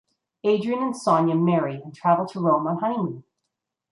Adrian and Sonia marry and travel to Rome on honeymoon.